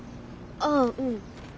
ああうん。